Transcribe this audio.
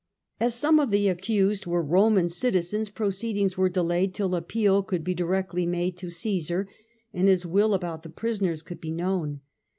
As some of the accused were Roman citizens, proceedings were delayed till appeal could be directly made to Caesar, and his will about the prisoners could be known.